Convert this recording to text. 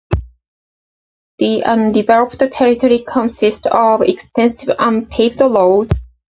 The undeveloped territory consist of extensive unpaved roads.